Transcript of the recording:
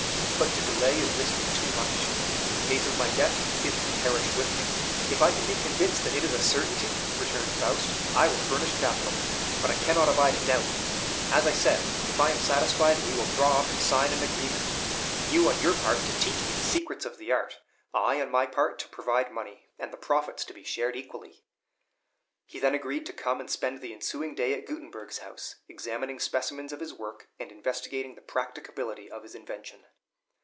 But to delay is risking too much; in case of my death, it would perish with me." "If I can be convinced that it is a certainty," returned Faust, "I will furnish capital; but I cannot abide a doubt. As I said, if I am satisfied, we will draw up and sign an agreement; you, on your part, to teach me the secrets of the art; I, on my part, to provide money; and the profits to be shared equally." He then agreed to come and spend the ensuing day at Gutenberg's house, examining specimens of his work and investigating the practicability of his invention.